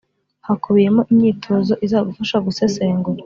hakubiyemo imyitozo izagufasha gusesengura